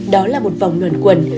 đó là một vòng luận quần